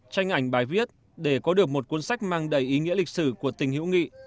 tranh ảnh bài viết để có được một cuốn sách mang đầy ý nghĩa lịch sử của tình hữu nghị